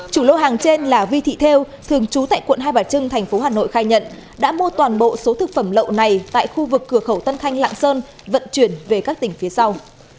chủ lô hàng trên là vi thị theo thường trú tại quận hai bà trưng thành phố hà nội khai nhận đã mua toàn bộ số thực phẩm lậu này tại khu vực cửa khẩu tân thanh lạng sơn vận chuyển về các tỉnh phía sau